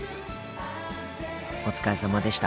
お疲れさまでした。